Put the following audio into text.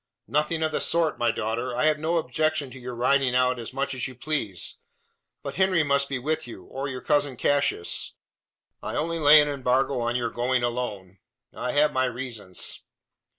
"Nothing of the sort, my daughter. I have no objection to your riding out as much as you please; but Henry must be with you, or your cousin Cassius. I only lay an embargo on your going alone. I have my reasons."